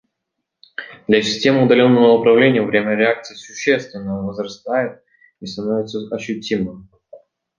Для системы удаленного управления время реакции существенно возрастает и становится ощутимым